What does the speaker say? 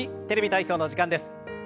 「テレビ体操」の時間です。